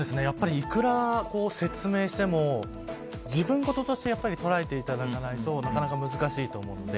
やっぱりいくら説明しても自分ごととして捉えていただかないとなかなか難しいと思うので。